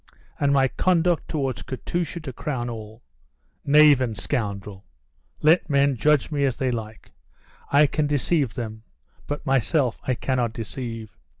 And my conduct towards Katusha to crown all? Knave and scoundrel! Let men judge me as they like, I can deceive them; but myself I cannot deceive."